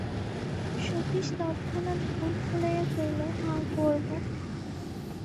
সতীশ তৎক্ষণাৎ বুক ফুলাইয়া কহিল, হাঁ করব।